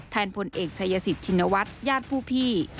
พลเอกชายสิทธินวัฒน์ญาติผู้พี่